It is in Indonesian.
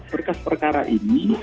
berkas perkara ini